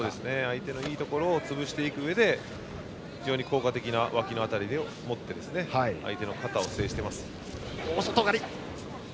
相手のいいところを潰していくうえで非常に効果的なわきの辺りを持って相手の肩を制しています。